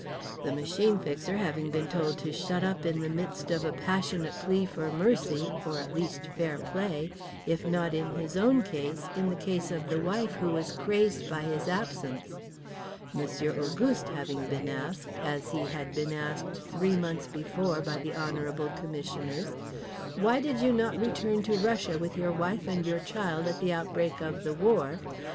the Machine Fixer having been told to shut up in the midst of a passionate plea for mercy, or at least fair play, if not in his own case in the case of the wife who was crazed by his absence; Monsieur Auguste having been asked (as he had been asked three months before by the honorable commissioners), Why did you not return to Russia with your wife and your child at the outbreak of the war?